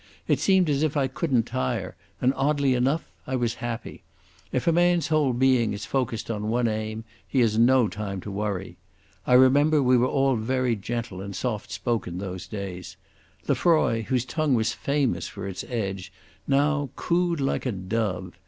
It seemed as if I couldn't tire, and, oddly enough, I was happy. If a man's whole being is focused on one aim, he has no time to worry.... I remember we were all very gentle and soft spoken those days. Lefroy, whose tongue was famous for its edge, now cooed like a dove.